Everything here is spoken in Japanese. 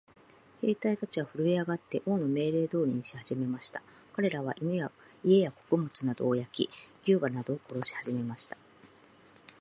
兵隊たちはふるえ上って、王の命令通りにしはじめました。かれらは、家や穀物などを焼き、牛馬などを殺しはじめました。